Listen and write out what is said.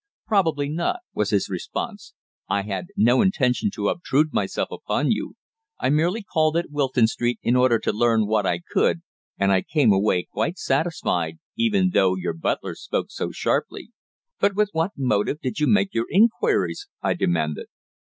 "Probably not," was his response; "I had no intention to obtrude myself upon you. I merely called at Wilton Street in order to learn what I could, and I came away quite satisfied, even though your butler spoke so sharply." "But with what motive did you make your inquiries?" I demanded.